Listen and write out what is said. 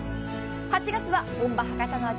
８月は本場・博多の味